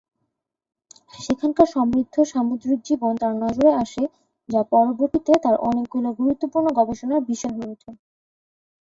সেখানকার সমৃদ্ধ সামুদ্রিক জীবন তাঁর নজরে আসে, যা পরবর্তীতে তাঁর অনেকগুলো গুরুত্বপূর্ণ গবেষণার বিষয় হয়ে উঠে।